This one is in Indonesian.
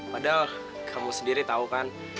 padahal kamu sendiri tahu kan